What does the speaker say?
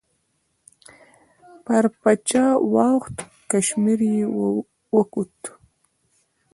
پر پچه وخوت، کشمیر یې وکوت.